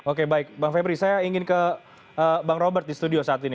oke baik bang febri saya ingin ke bang robert di studio saat ini